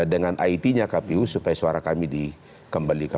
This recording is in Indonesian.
dengan it nya kpu supaya suara kami dikembalikan